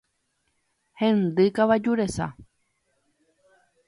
Hendy kavaju resa.